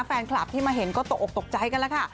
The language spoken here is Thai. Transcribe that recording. แฟนคลับที่มาเห็นก็ตกออกตกใจกันแล้วค่ะ